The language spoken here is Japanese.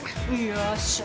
よし。